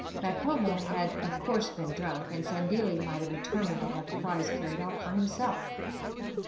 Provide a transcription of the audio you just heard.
Macomo had of course been drunk, and Sandilli might have determined to have the prize carried off for himself.